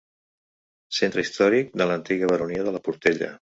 Centre històric de l'antiga baronia de la Portella.